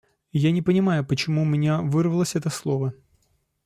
Я не понимаю, почему у меня вырвалось это слово.